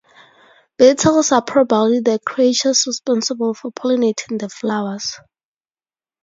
Beetles are probably the creatures responsible for pollinating the flowers.